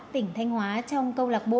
tỉnh thanh hóa trong công lạc bộ